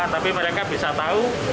tapi mereka bisa tahu